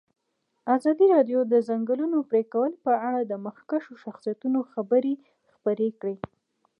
ازادي راډیو د د ځنګلونو پرېکول په اړه د مخکښو شخصیتونو خبرې خپرې کړي.